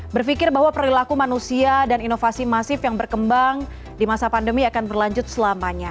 berpikir bahwa perilaku manusia dan inovasi masif yang berkembang di masa pandemi akan berlanjut selamanya